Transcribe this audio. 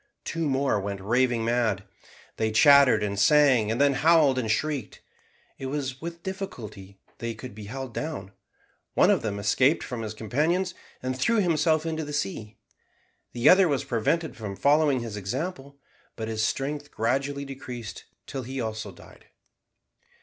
Two more went raving mad. They chattered and sang, and then howled and shrieked. It was with difficulty they could be held down. One of them escaped from his companions, and threw himself into the sea. The other was prevented from following his example, but his strength gradually decreased till he also died.